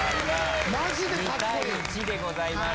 ２対１でございます。